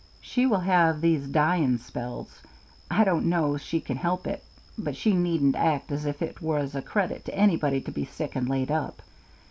She will have these dyin' spells. I don't know's she can help it, but she needn't act as if it was a credit to anybody to be sick and laid up.